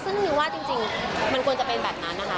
ซึ่งมิวว่าจริงมันควรจะเป็นแบบนั้นนะคะ